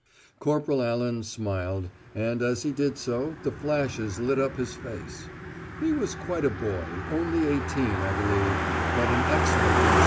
Corporal Allan smiled, and as he did so the flashes lit up his face. He was quite a boy, only eighteen, I believe, but an excellent N.